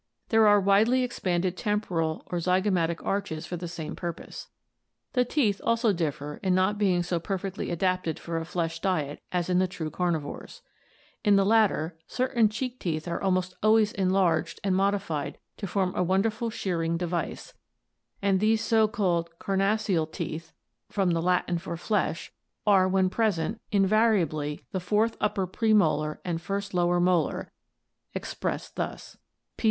There are widely expanded temporal or zygomatic arches for the same purpose. The teeth also differ in not being so perfectly adapted for a flesh diet as in the true carnivores. In the latter (see Fig. 50), certain cheek teeth are almost always enlarged and modified to form a wonderful shearing device, and these so called carnassial teeth 552 ORGANIC EVOLUTION (Lat. caro, flesh) are, when present, invariably the fourth upper premolar and first lower molar, expressed thus: ~.